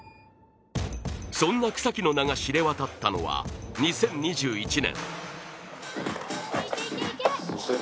そんな草木の名が知れ渡ったのは２０２１年。